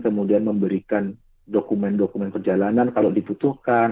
kemudian memberikan dokumen dokumen perjalanan kalau dibutuhkan